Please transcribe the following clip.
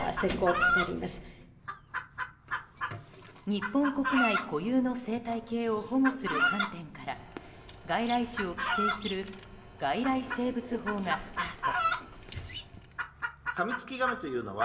日本国内固有の生態系を保護する観点から外来種を規制する外来生物法がスタート。